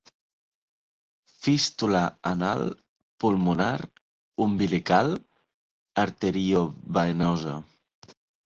Fístula anal, pulmonar, umbilical, arteriovenosa.